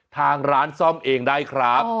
ทางร้านซ่อมเองได้ครับ